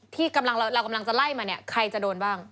ที่เรากำลังจะไล่มาเนี่ยใครจะโดนบ้าง